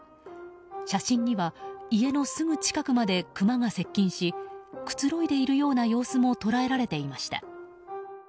写真には家のすぐ近くまでクマが接近しくつろいでいるような様子も捉えられていました。